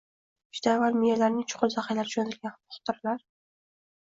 Juda avval miyalarining chuqur zaxirasiga jo‘natilgan xotiralar